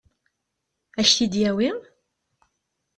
Ad k-t-id-yawi?